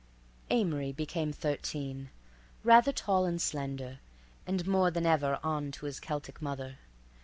Amory became thirteen, rather tall and slender, and more than ever on to his Celtic mother.